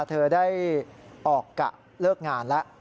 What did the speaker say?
เธอได้ออกกะเลิกงานแล้ว